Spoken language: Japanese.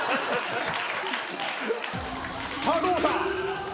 さあどうだ